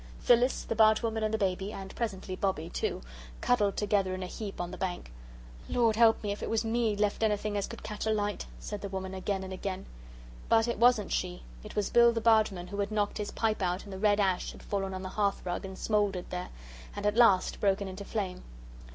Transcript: Phyllis, the bargewoman, and the baby and presently Bobbie, too cuddled together in a heap on the bank. "Lord help me, if it was me left anything as could catch alight," said the woman again and again. But it wasn't she. It was Bill the Bargeman, who had knocked his pipe out and the red ash had fallen on the hearth rug and smouldered there and at last broken into flame.